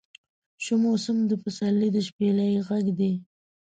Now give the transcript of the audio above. شو موسم د پسرلي د شپیلۍ غږدی